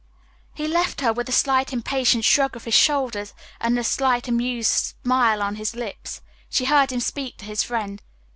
He left her with a slight impatient shrug of his shoulders and the slight amused smile on his lips. She heard him speak to his friend.